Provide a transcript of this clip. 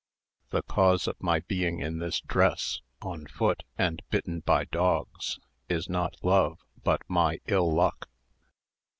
The cause of my being in this dress, on foot, and bitten by dogs, is not love but my ill luck."